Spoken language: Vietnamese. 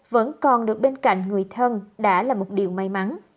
vẫn còn được bên cạnh người thân đã là một điều may mắn